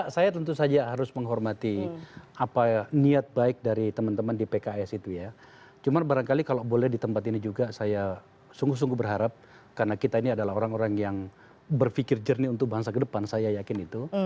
saya tentu saja harus menghormati apa niat baik dari teman teman di pks itu ya cuma barangkali kalau boleh di tempat ini juga saya sungguh sungguh berharap karena kita ini adalah orang orang yang berpikir jernih untuk bangsa ke depan saya yakin itu